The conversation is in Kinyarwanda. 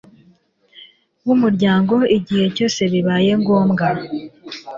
w Umuryango igihe cyose bibaye ngombwa